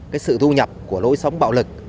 cái sự thu nhập của lối sống bạo lực